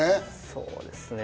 そうですね。